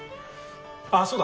ああそうだ！